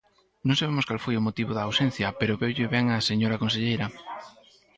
Non sabemos cal foi o motivo da ausencia, pero veulle ben á señora conselleira.